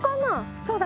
そうだね。